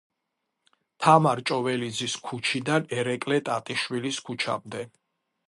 თამარ ჭოველიძის ქუჩიდან ერეკლე ტატიშვილის ქუჩამდე.